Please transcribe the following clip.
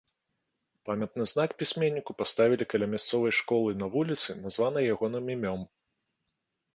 Памятны знак пісьменніку паставілі каля мясцовай школы на вуліцы, названай ягоным імем.